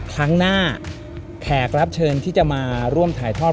ครั้งหน้าแขกรับเชิญที่จะมาร่วมถ่ายทอด